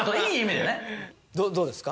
どうですか？